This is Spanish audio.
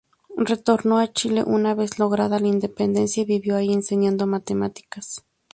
Retornó a Chile una vez lograda la independencia, y vivió allí enseñando matemáticas.